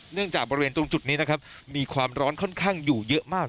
จากบริเวณตรงจุดนี้นะครับมีความร้อนค่อนข้างอยู่เยอะมาก